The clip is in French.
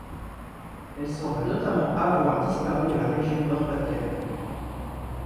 Elle semble notamment avoir disparu de la région Nord-Pas-de-Calais.